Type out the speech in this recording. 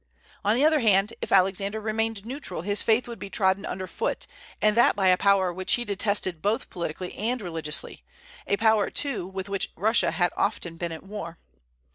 On the other hand, if Alexander remained neutral, his faith would be trodden under foot, and that by a power which he detested both politically and religiously, a power, too, with which Russia had often been at war.